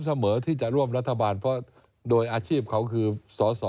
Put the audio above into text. เสมอที่จะร่วมรัฐบาลเพราะโดยอาชีพเขาคือสอสอ